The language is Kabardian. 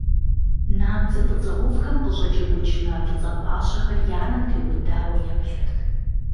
Набдзэ фӀыцӀэ Ӏувхэм къыщӀэджэгукӀ нэ фӀыцӀэ пӀащэхэр и анэм триубыдауэ еплъырт.